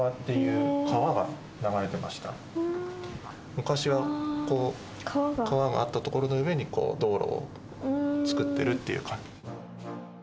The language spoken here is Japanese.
昔はこう川があったところの上に道路を造ってるっていう感じ。